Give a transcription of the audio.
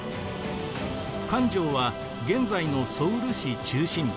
漢城は現在のソウル市中心部。